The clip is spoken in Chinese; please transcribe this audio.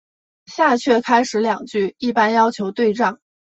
下阕开始两句一般要求对仗。